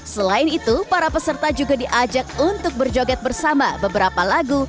selain itu para peserta juga diajak untuk berjoget bersama beberapa lagu